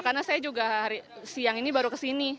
karena saya juga siang ini baru ke sini